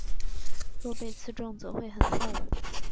若被刺中则会很痛。